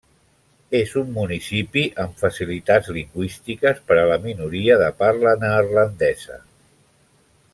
És un municipi amb facilitats lingüístiques per a la minoria de parla neerlandesa.